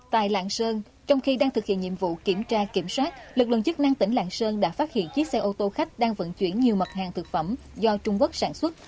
tại lạng sơn trong khi đang thực hiện nhiệm vụ kiểm tra kiểm soát lực lượng chức năng tỉnh lạng sơn đã phát hiện chiếc xe ô tô khách đang vận chuyển nhiều mặt hàng thực phẩm do trung quốc sản xuất